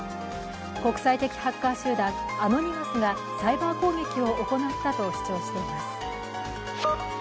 国際的ハッカー集団アノニマスがサイバー攻撃を行ったと主張しています。